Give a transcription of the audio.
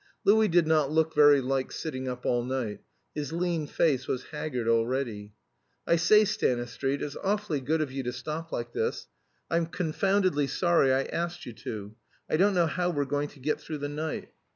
Louis did not look very like sitting up all night; his lean face was haggard already. "I say, Stanistreet, it's awfully good of you to stop like this. I'm confoundedly sorry I asked you to. I don't know how we're going to get through the night."